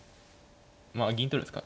まあ銀取るんですか？